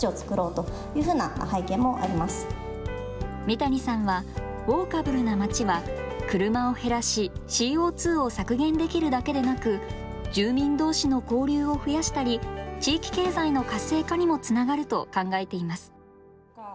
三谷さんはウォーカブルなまちは車を減らしＣＯ２を削減できるだけでなく住民どうしの交流を増やしたり地域経済の活性化にもつながると考えています。